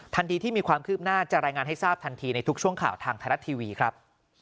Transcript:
ทันทีที่มีความคืบหน้าจะรายงานให้ทราบทันทีในทุกช่วงข่าวทางไทยรัฐทีวีครับ